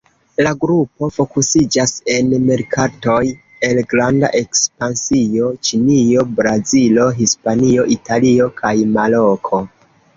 La grupo fokusiĝas en merkatoj el granda ekspansio: Ĉinio, Brazilo, Hispanio, Italio kaj Maroko.